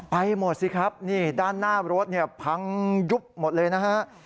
ไปหมดสิครับด้านหน้ารถพังยุบหมดเลยนะครับ